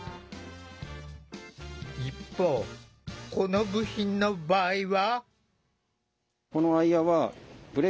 一方この部品の場合は。